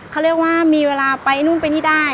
เขาเรียกว่ามีเวลาไปนู่นไปนี่ได้